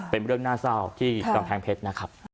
เป็นเรื่องน่าเศร้าที่กำแพงเพชรนะครับ